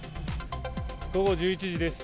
午後１１時です。